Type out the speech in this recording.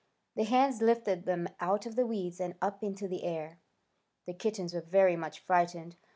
The hands lifted them out of the weeds and up into the air. The kittens were very much frightened.